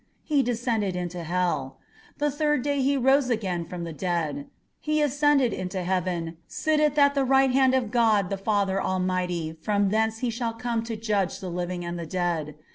He descended into hell; the third day He arose again from the dead; He ascended into heaven, sitteth at the right hand of God, the Father Almighty; from thence He shall come to judge the living and the dead.